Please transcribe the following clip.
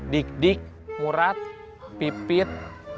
dik dik murat pipit